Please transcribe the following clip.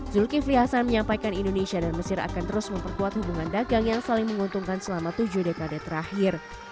zulkifli hasan menyampaikan indonesia dan mesir akan terus memperkuat hubungan dagang yang saling menguntungkan selama tujuh dekade terakhir